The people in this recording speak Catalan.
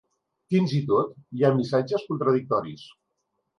Fins i tot, hi ha missatges contradictoris.